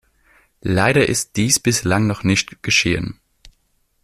Leider ist dies bislang noch nicht geschehen.